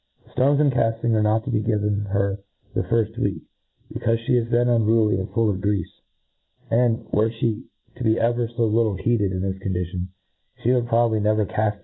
., Stones and icafting are not t<> be given her the firft week, becaufe fhe is then unruly and full of greafe ; and,.werc fhe to be ever fo little heated in this condition, fhe would probably never caft t)iem^ e^ MODERN FAULCONRr.